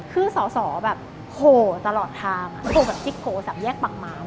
คือสอแบบโหวตลอดทางอะโหวแบบจิ๊กโหวสับแยกปากมา